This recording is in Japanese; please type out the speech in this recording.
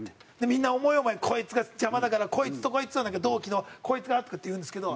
みんな思い思いに「こいつが邪魔だからこいつとこいつ」「同期のこいつが」とかって言うんですけど。